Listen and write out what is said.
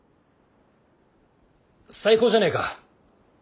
最高じゃねえか。